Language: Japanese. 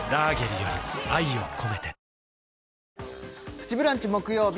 「プチブランチ」木曜日